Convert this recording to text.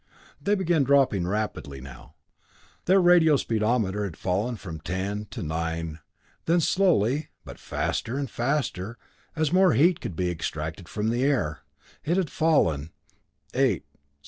They began dropping rapidly now their radio speedometer had fallen from ten to nine then slowly, but faster and faster as more heat could be extracted from the air, it had fallen 8 7 6 5 4.